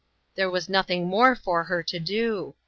There was nothing more for her to do.